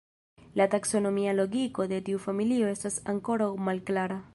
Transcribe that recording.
La taksonomia lokigo de tiu familio estas ankoraŭ malklara.